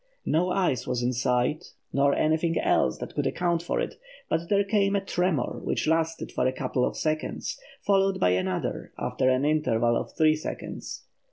No ice was in sight, nor anything else that could account for it, but there came a tremor which lasted for a couple of seconds, followed by another after an interval of three seconds.